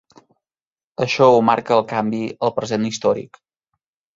Això ho marca el canvi al present històric.